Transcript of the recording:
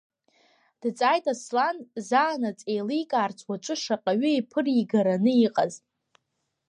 Дҵааит Аслан, заанаҵ еиликаарц уаҵәы шаҟаҩы иԥыригараны иҟаз?